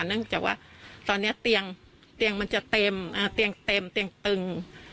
เนื่องจากว่าตอนนี้เตียงมันจะเต็มเตียงเต็มเตียงตึง